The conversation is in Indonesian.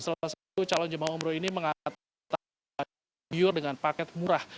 salah satu calon jemaah umroh ini mengatakan bahwa dia menggoyor dengan paket murah